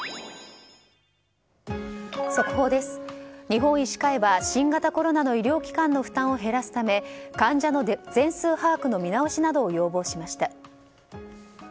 日本医師会は新型コロナの医療機関の負担を減らすため患者の全数把握の見直しなどを要望しました。